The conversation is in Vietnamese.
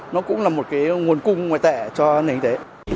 nó cũng là một cái nguồn cung ngoại tệ cho nền kinh tế